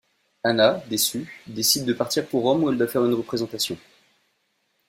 Hanna, déçue, décide de partir pour Rome où elle doit faire une représentation.